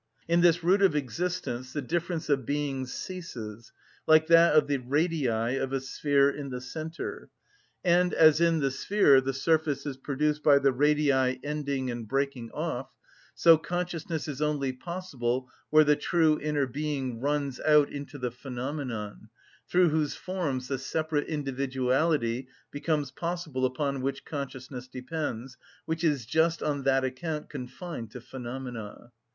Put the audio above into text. In this root of existence the difference of beings ceases, like that of the radii of a sphere in the centre; and as in the sphere the surface is produced by the radii ending and breaking off, so consciousness is only possible where the true inner being runs out into the phenomenon, through whose forms the separate individuality becomes possible upon which consciousness depends, which is just on that account confined to phenomena.